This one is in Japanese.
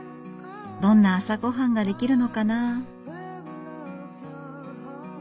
どんな朝ごはんが出来るのかな？